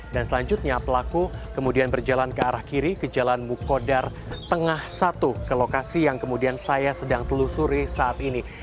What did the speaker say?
dan selanjutnya pelaku kemudian berjalan ke arah kiri ke jalan mukodar tengah satu ke lokasi yang kemudian saya sedang telusuri saat ini